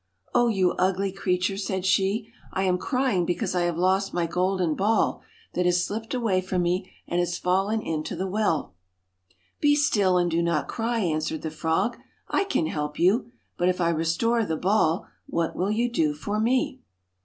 228 ' O you ugly creature/ said she ;' I am crying THE because I have lost my golden ball that has slipped FROG away from me and has fallen into the well* 'Be still and do not cry/ answered the frog; 'I can help you, but if I restore the ball, what will you do for me